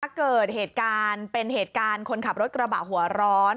เกิดเหตุการณ์เป็นเหตุการณ์คนขับรถกระบะหัวร้อน